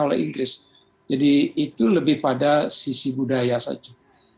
oleh inggris jadi itu lebih pada sisi budaya saja